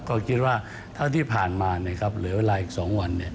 ก็คิดว่าเท่าที่ผ่านมาเหลือเวลาอีก๒วัน